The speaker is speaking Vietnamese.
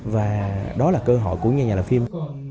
và đó là cơ hội của nhà làm phim